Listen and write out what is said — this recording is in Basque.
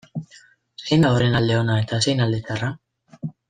Zein da horren alde ona eta zein alde txarra?